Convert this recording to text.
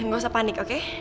nggak usah panik oke